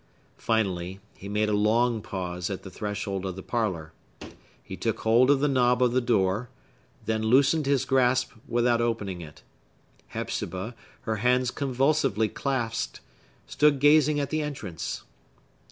Finally, he made a long pause at the threshold of the parlor. He took hold of the knob of the door; then loosened his grasp without opening it. Hepzibah, her hands convulsively clasped, stood gazing at the entrance.